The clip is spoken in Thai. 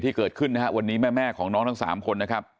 เกิดขึ้นนะฮะวันนี้แม่ของน้องทั้ง๓คนนะครับ